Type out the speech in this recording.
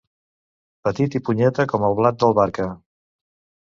Petit i punyeta com el blat d'Albarca.